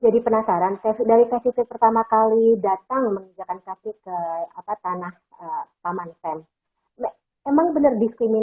jadi penasaran dari ke tiga pertama kali datang mengejarkan sakit ke apa tanah paman sen emang bener